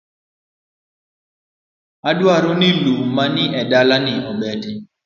Adwaro ni lum ma ni edala ni obeti